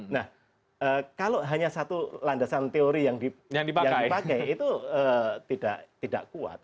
nah kalau hanya satu landasan teori yang dipakai itu tidak kuat